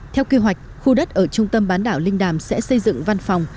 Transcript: theo kế hoạch khu đất ở trung tâm bán đảo linh đàm sẽ xây dựng văn phòng